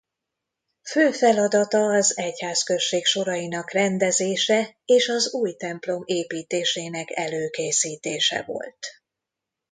Fő feladata az egyházközség sorainak rendezése és az új templom építésének előkészítése volt.